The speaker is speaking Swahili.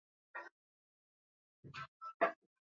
Kuwalisha mifugo katika maeneo yenye mbung'o na nzi wa kuuma